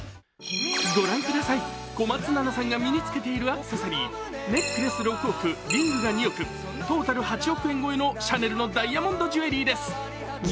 ご覧ください、小松菜奈さんが身に付けているアクセサリーネックレス６億、リングが２億、トータル８億円超えのシャネルのダイヤモンドジュエリーです。